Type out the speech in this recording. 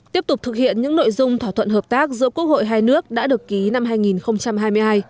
tiếp tục thực hiện những nội dung thỏa thuận hợp tác giữa quốc hội hai nước đã được ký năm hai nghìn hai mươi hai